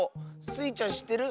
スイちゃんしってる？